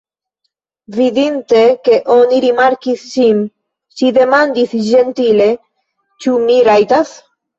Vidante, ke oni rimarkis ŝin, ŝi demandis ĝentile: Ĉu mi rajtas?